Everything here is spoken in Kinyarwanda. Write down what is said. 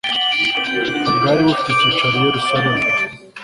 bwari bufite icyicaro i Yerusalemu